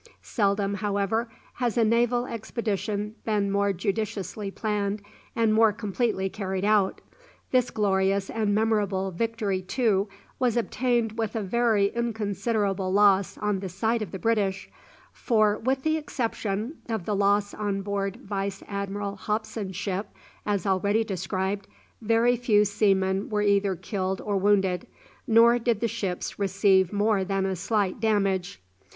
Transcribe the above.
Seldom, however, has a naval expedition been more judiciously planned and more completely carried out. This glorious and memorable victory, too, was obtained with a very inconsiderable loss on the side of the British; for, with the exception of the loss on board Vice Admiral Hopson's ship, as already described, very few seamen were either killed or wounded, nor did the ships receive more than a slight damage.